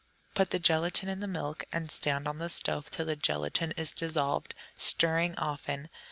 Put the gelatine in the milk and stand on the stove till the gelatine is dissolved, stirring often.